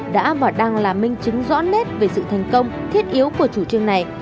đã và đang là minh chứng rõ nét về sự thành công thiết yếu của chủ trương này